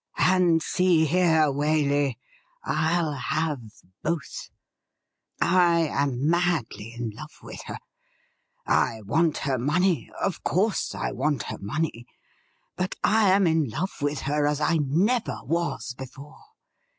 And see here, Waley, I'll have both. I am madly in love with her ! I want her money — of course I want her money — ^but I am in love with her as I never was before.